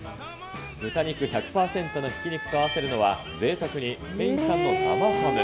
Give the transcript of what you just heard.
豚肉１００％のひき肉と合わせるのはぜいたくにスペイン産の生ハム。